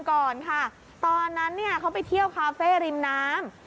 ก่อนค่ะตอนนั้นเนี่ยเขาไปเที่ยวคาเฟ่ริมน้ำ